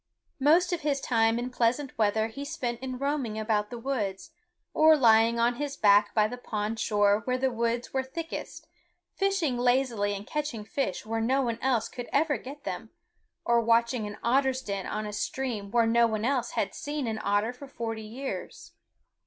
Most of his time in pleasant weather he spent in roaming about the woods, or lying on his back by the pond shore where the woods were thickest, fishing lazily and catching fish where no one else could ever get them, or watching an otter's den on a stream where no one else had seen an otter for forty years.